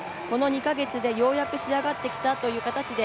この２カ月でようやく仕上がってきたという形で